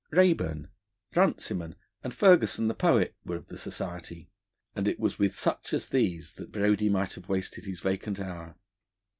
Raeburn, Runciman, and Ferguson the poet were of the society, and it was with such as these that Brodie might have wasted his vacant hour.